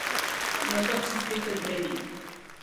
No pot sofrir que el renyin.